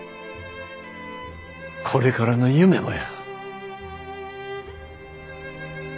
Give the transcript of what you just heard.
これからの夢もや。